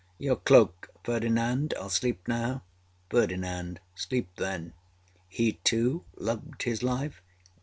âYour cloak, Ferdinand. Iâll sleep now. FERDINAND.âSleep, thenâ¦ He too, loved his life?